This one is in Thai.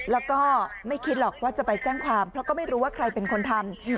แล้วก็ไม่คิดหรอกว่าจะไปแจ้งความเพราะก็ไม่รู้ว่าใครเป็นคนทำ